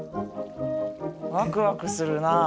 ワクワクするなあ。